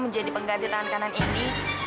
menjadi pengganti tangan kanan ini